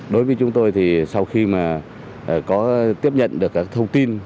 đối với chúng tôi thì sau khi mà có tiếp nhận được các thông tin